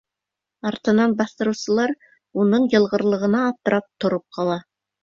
Артынан баҫтырыусылар, уның йылғырлығына аптырап, тороп ҡала.